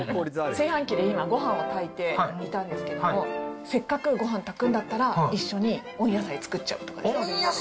炊飯器で今、ごはんを炊いていたんですけども、せっかくごはん炊くんだったら、一緒に温野菜作っちゃう。